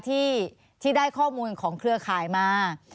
ที่ได้ข้อมูลของเครือข่ายมา